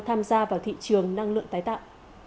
tham gia vào thị trường năng lượng tái tạo